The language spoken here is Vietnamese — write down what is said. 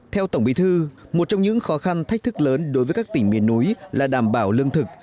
theo tổng bí thư một trong những khó khăn thách thức lớn đối với các tỉnh miền núi là đảm bảo lương thực